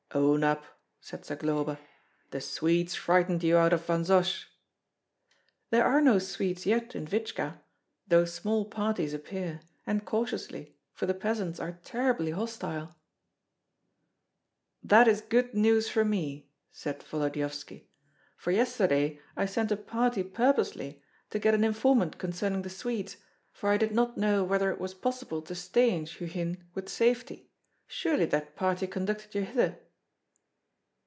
"Own up," said Zagloba, "the Swedes frightened you out of Vansosh?" "There are no Swedes yet in Vidzka, though small parties appear, and cautiously, for the peasants are terribly hostile." "That is good news for me," said Volodyovski, "for yesterday I sent a party purposely to get an informant concerning the Swedes, for I did not know whether it was possible to stay in Shchuchyn with safety; surely that party conducted you hither?"